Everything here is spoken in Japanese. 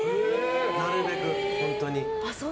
なるべく、本当に。